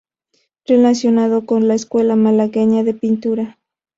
Relacionado con la Escuela malagueña de pintura.